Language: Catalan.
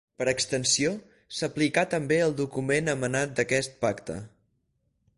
Per extensió, s'aplicà també al document emanat d'aquest pacte.